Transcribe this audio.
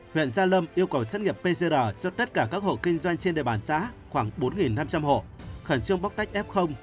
huyện gia lâm yêu cầu xét nghiệm pcr cho tất cả các hộ kinh doanh trên địa bàn xã khoảng bốn năm trăm linh hộ khẩn trương bóc tách f